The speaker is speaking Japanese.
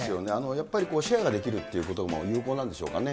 やっぱりシェアができるっていうことも有効なんでしょうかね。